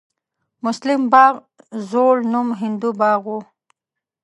مسلم باغ زوړ نوم هندو باغ و